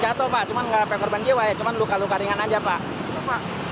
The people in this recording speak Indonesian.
jatuh pak cuma enggak pekorban jiwa ya cuma luka luka ringan aja pak